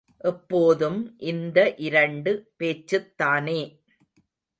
எப்போதும் இந்த இரண்டு பேச்சுத்தானே.